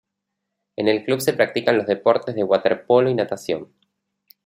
En el club se practican los deportes de waterpolo y natación.